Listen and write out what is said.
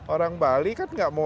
orang bali kan